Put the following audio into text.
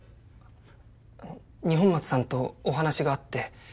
あの二本松さんとお話があって。